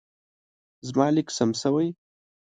زما لیک سم شوی.